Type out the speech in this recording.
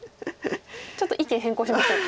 ちょっと意見変更しましょう。